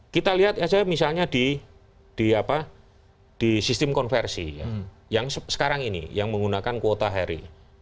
kita lihat saja misalnya di sistem konversi yang sekarang ini yang menggunakan kuota harry